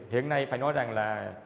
hiện nay phải nói rằng là